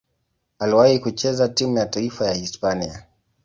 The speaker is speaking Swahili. Aliwahi kucheza timu ya taifa ya Hispania.